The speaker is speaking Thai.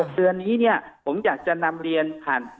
เตือนนี้ผมอยากจะนำเรียนผ่าน